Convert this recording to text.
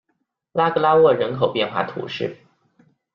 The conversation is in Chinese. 拉格拉沃人口变化图示